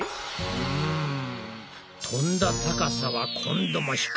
うん飛んだ高さは今度も低いな。